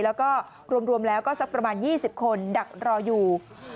แล้วก็รวมแล้วก็สักประมาณ๒๐คนดักรออยู่